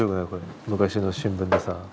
昔の新聞でさ。